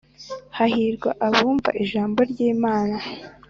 Hahirwa abumva ijambo ry’Imnna